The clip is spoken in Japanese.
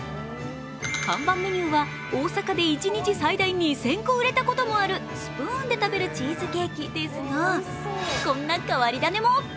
看板メニューは大阪で一日最大２０００個も売れたことがあるスプーンで食べるチーズケーキですがこんな変わり種も。